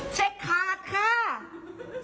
เช็คคาร์ดค่า